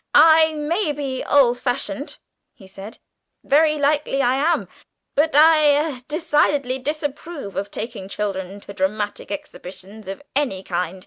"I may be old fashioned," he said, "very likely I am; but I ah decidedly disapprove of taking children to dramatic exhibitions of any kind.